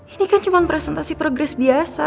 ini kan cuma presentasi progres biasa